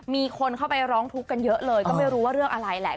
มีคนเข้าไปร้องทุกข์กันเยอะเลยก็ไม่รู้ว่าเรื่องอะไรแหละ